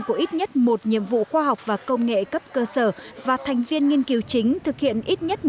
của ít nhất một nhiệm vụ khoa học và công nghệ cấp cơ sở và thành viên nghiên cứu chính thực hiện ít nhất